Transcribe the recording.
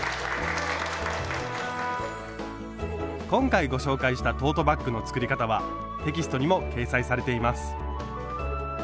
今回ご紹介したトートバッグの作り方はテキストにも掲載されています。